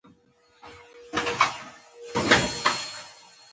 څوک چې د هر شي غوښتنه لري هر څه بایلي.